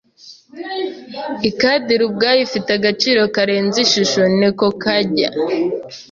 Ikadiri ubwayo ifite agaciro karenze ishusho. (NekoKanjya)